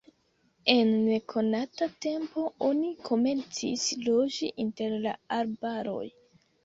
En nekonata tempo oni komencis loĝi inter la arbaroj.